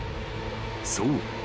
［そう。